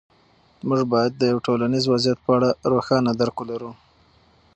موږ باید د یو ټولنیز وضعیت په اړه روښانه درک ولرو.